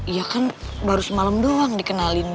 iya kan baru semalam doang dikenalin